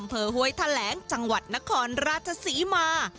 อำเภอห้วยทะแหลงจังหวัดนครราชศรีมา